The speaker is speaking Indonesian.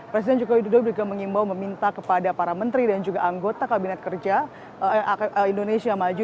presiden jokowi dan ibu negara iria widodo juga mengimbau meminta kepada para menteri dan juga anggota kabinet kerja indonesia maju